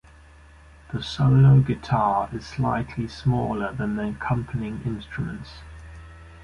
The solo guitar is slightly smaller than the accompanying instruments.